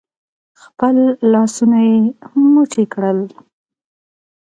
خپل لاسونه يې موټي کړل.